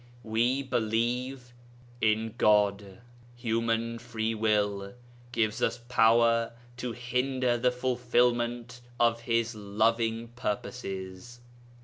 We believe in God. Human free will gives us power to hinder the fulfilment of His loving purposes.